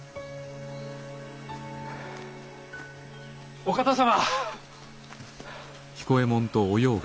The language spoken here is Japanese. お方様。